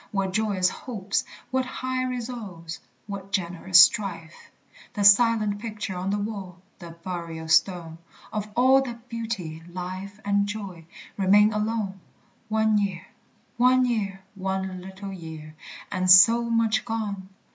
What joyous hopes, what high resolves, What generous strife! The silent picture on the wall, The burial stone, Of all that beauty, life, and joy, Remain alone! One year, one year, one little year, And so much gone!